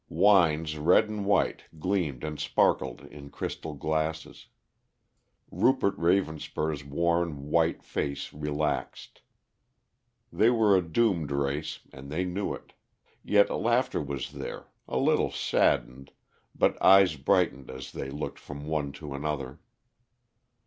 Wines red and white gleamed and sparkled in crystal glasses. Rupert Ravenspur's worn, white face relaxed. They were a doomed race and they knew it; yet laughter was there, a little saddened, but eyes brightened as they looked from one to another.